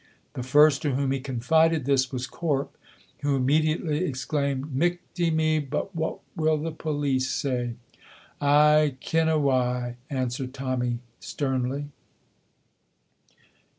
The first to whom he confided this was Corp, who immediately exclaimed: "Michty me! But what will the police say?" "I ken a wy," answered Tommy, sternly.